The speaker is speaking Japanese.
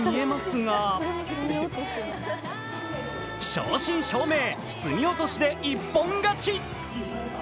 正真正銘、隅落で一本勝ち。